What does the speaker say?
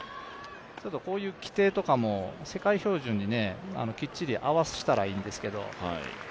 こういう規定とかも、世界標準にきっちり合わせたらいいんですけど。